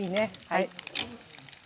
はい。